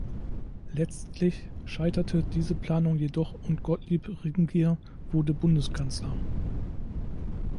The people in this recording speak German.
Letztlich scheiterte diese Planung jedoch und Gottlieb Ringier wurde Bundeskanzler.